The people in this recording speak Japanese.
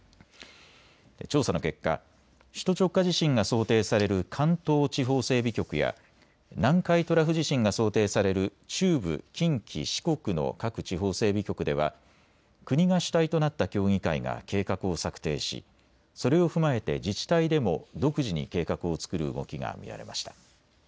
調査の結果、首都直下地震が想定される関東地方整備局や南海トラフ地震が想定される中部、近畿、四国の各地方整備局では国が主体となった協議会が計画を策定し、それを踏まえて自治体でも独自に計画を作る動きが見られました。